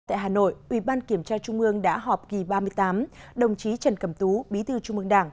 tại hà nội ủy ban kiểm tra trung ương đã họp kỳ ba mươi tám đồng chí trần cẩm tú bí thư trung mương đảng